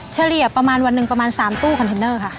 เฉลี่ยประมาณวันหนึ่งประมาณ๓ตู้คอนเทนเนอร์ค่ะ